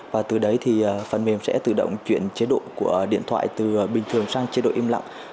và từ đấy thì phần mềm sẽ tự động chuyển chế độ của điện thoại từ bình thường sang chế độ im lặng